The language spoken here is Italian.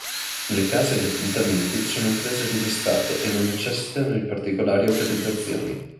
Le case di appuntamenti sono imprese registrate e non necessitano di particolari autorizzazioni.